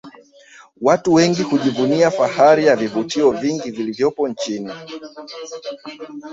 Watu wengi hujivunia fahari ya vivutio vingi vilivyopo nchini